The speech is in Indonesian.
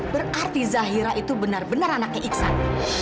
berarti zahira itu benar benar anaknya iksan